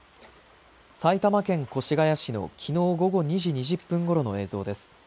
埼玉県越谷市のきのう午後２時２０分ごろの映像です。